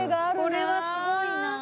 これはすごいな。